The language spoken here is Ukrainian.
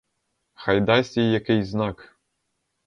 Хай дасть їй якийсь знак.